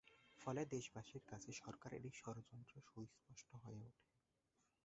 ফলে দেশবাসীর কাছে সরকারের এ ষড়যন্ত্র সুস্পষ্ট হয়ে ওঠে।